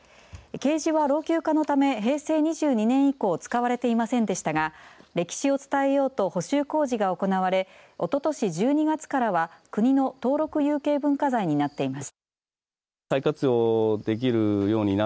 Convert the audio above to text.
ケージは老朽化のため平成２２年以降使われていませんでしたが歴史を伝えようと補修工事が行われおととし１２月からは国の登録有形文化財になっています。